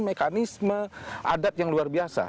mekanisme adat yang luar biasa